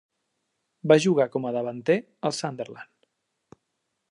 Va jugar com a davanter al Sunderland.